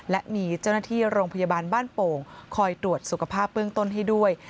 และมีเจ้าหน้าที่โรงพยาบาลบ้านโป่งคอยตรวจสุขภาพเบื้องต้นให้ด้วย